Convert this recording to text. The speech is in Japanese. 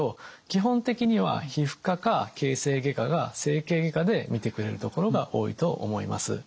基本的には皮膚科か形成外科か整形外科で診てくれる所が多いと思います。